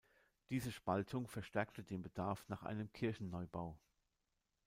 Diese Spaltung verstärkte den Bedarf nach einem Kirchenneubau.